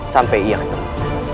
sampai ia ketemu